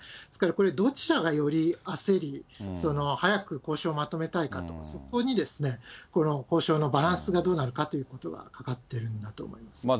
ですからこれ、どちらが、より焦り、早く交渉をまとめたいかと、そこに、この交渉のバランスがどうなるかということがかかっているんだと思います。